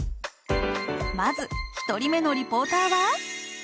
まず１人目のリポーターは？